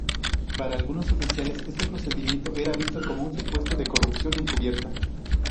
Para algunos oficiales este procedimiento era visto como un supuesto de corrupción encubierta.